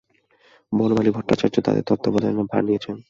বনমালী ভট্টাচার্য তাঁদের তত্ত্বাবধানের ভার নিয়েছেন।